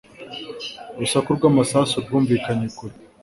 Urusaku rw'amasasu rwumvikanye kure.